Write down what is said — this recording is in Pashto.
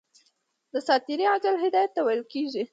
دساتیر عاجل هدایت ته ویل کیږي.